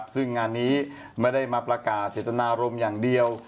ซึ่งงานนี้ไม่ได้มาประกาศเจตนารมณ์อย่างเดียว